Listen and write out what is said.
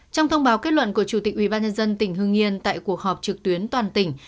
trong thông báo kết luận của chủ tịch ubnd tỉnh hương yên tại cuộc họp trực tuyến toàn tỉnh